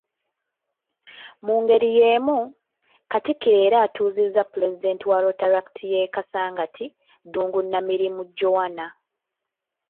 Mu ngeri y'emu, Katikkiro era atuuzizza Pulezidenti wa Rotaract ye Kasangati Ddungu Namirimu Joana.